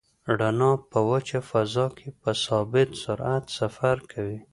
رڼا په وچه فضا کې په ثابت سرعت سفر کوي.